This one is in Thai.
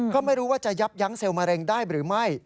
ก็ไม่รู้ว่าจะยับยั้งเซลล์มะเร็งได้หรือไม่